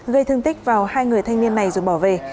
gây thương tích vào hai người thanh niên này rồi bỏ về